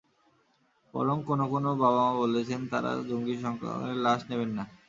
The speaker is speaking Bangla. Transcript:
বরং কোনো কোনো বাবা-মা বলেছেন, তাঁরা জঙ্গি সন্তানের লাশ নেবেন না।